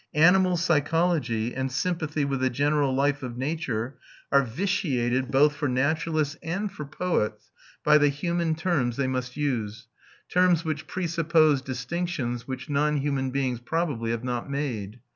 Animal psychology, and sympathy with the general life of nature, are vitiated both for naturalists and for poets by the human terms they must use, terms which presuppose distinctions which non human beings probably have not made.